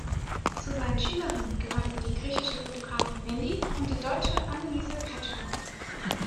Zu seinen Schülerinnen gehörten die griechische Fotografin Nelly und die Deutsche Annelise Kretschmer.